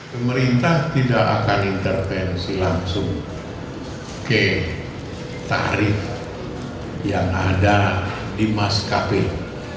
pemerintah tidak akan intervensi langsung ke tarif yang ada di maskapai